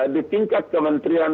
di tingkat kementerian